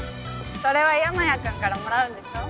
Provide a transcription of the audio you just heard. それは山谷君からもらうんでしょ。